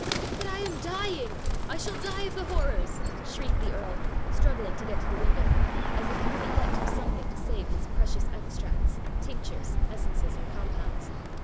"But I am dying! I shall die of the horrors!" shrieked the earl, struggling to get to the window, as if he might yet do something to save his precious extracts, tinctures, essences, and compounds.